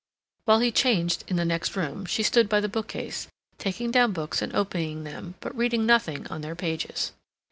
While he changed in the next room, she stood by the bookcase, taking down books and opening them, but reading nothing on their pages.